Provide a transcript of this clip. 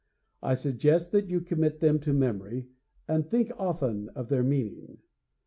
I suggest that you commit them to memory and think often of their meaning.